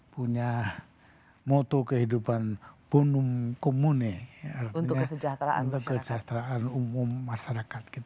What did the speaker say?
punya motto kehidupan untuk kesejahteraan masyarakat